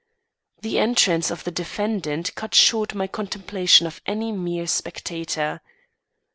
The entrance of the defendant cut short my contemplation of any mere spectator.